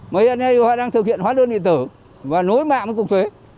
mấy anh em đang thực hiện hóa đơn điện tử và nối mạng với cục thuế